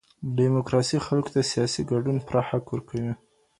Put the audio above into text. ډيموکراسي خلګو ته د سياسي ګډون پوره حق ورکوي.